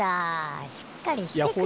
しっかりしてくれよ。